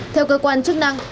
theo cơ quan chức năng